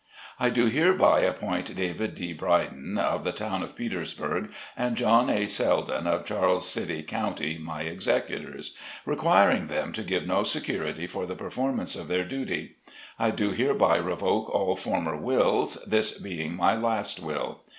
I do hereby appoint David D. Brydon, of the Town of Petersburg, and John A. Seldon, of FREEDOM. 21 Charles City County, my Executors, requiring them to give no security for the performance of their duty. I do hereby revoke all former Wills, this being my last Will.